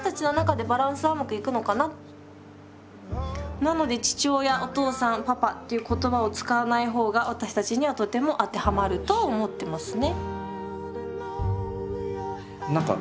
なので父親お父さんパパっていう言葉を使わない方が私たちにはとても当てはまると思ってますね。